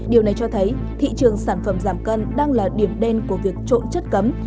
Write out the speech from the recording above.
điều này cho thấy thị trường sản phẩm giảm cân đang là điểm đen của việc trộn chất cấm